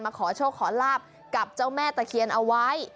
ขอโชคขอลาบกับเจ้าแม่ตะเคียนเอาไว้